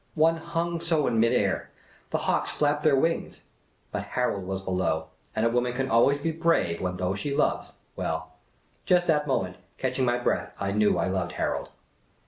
One hung so in mid air ! The hawks flapped their wings. But Harold was below ; and a woman can always be brave where those she loves — well, just that moment, catching my breath, I knew I loved Harold.